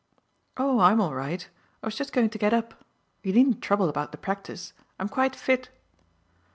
"Oh, I'm all right. I was just going to get up. You needn't trouble about the practice. I'm quite fit."